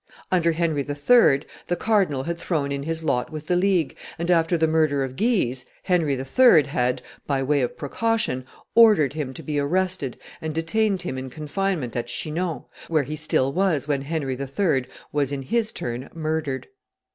Under Henry III., the cardinal had thrown in his lot with the League; and, after the murder of Guise, Henry III. had, by way of precaution, ordered him to be arrested and detained him in confinement at Chinon, where he still was when Henry III. was in his turn murdered.